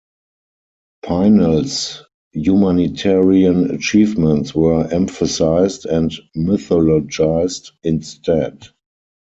Pinel's humanitarian achievements were emphasized and mythologised instead.